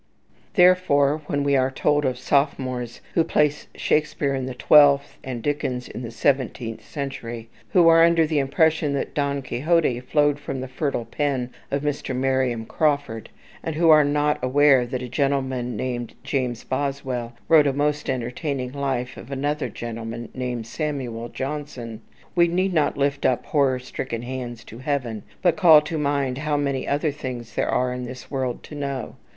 Therefore, when we are told of sophomores who place Shakespeare in the twelfth, and Dickens in the seventeenth century, who are under the impression that "Don Quixote" flowed from the fertile pen of Mr. Marion Crawford, and who are not aware that a gentleman named James Boswell wrote a most entertaining life of another gentleman named Samuel Johnson, we need not lift up horror stricken hands to Heaven, but call to mind how many other things there are in this world to know.